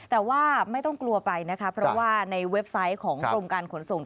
แต่ว่าไม่ต้องกลัวไปนะคะเพราะว่าในเว็บไซต์ของกรมการขนส่ง